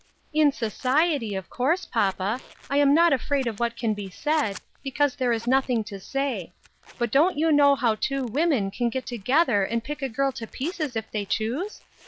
" In society, of course, papa, I am not afraid of what can be said, because there is nothing to say ; but don't you know how two women can get together and pick a girl to pieces if they choose